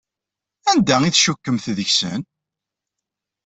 Anda ay tcikkemt deg-sen?